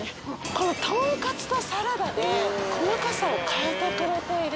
このとんかつとサラダで細かさを変えてくれている。